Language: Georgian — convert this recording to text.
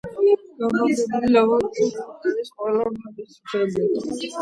გამაგრებული ლავა კი ვულკანის ყველა მხარეს ვრცელდება.